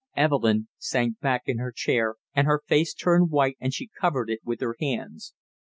Evelyn sank back in her chair, and her face turned white and she covered it with her hands.